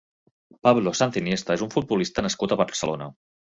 Pablo Sanz Iniesta és un futbolista nascut a Barcelona.